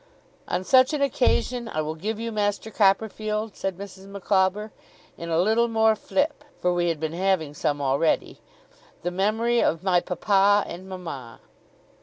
'On such an occasion I will give you, Master Copperfield,' said Mrs. Micawber, 'in a little more flip,' for we had been having some already, 'the memory of my papa and mama.